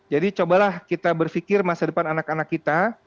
jadi cobalah kita berfikir masa depan anak anak kita